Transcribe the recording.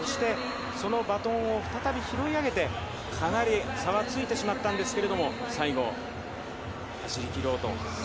そのバトンを再び拾い上げてかなり差はついてしまったんですけれど最後、走り切ろうと。